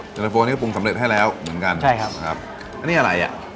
ยันแล่าโฟนี้ก็ปรุงสำเร็จให้แล้วเหมือนกันอันนี้อะไร